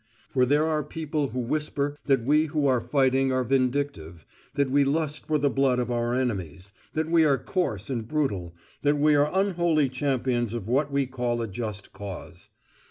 For there are people who whisper that we who are fighting are vindictive, that we lust for the blood of our enemies, that we are coarse and brutal, that we are unholy champions of what we call a just cause.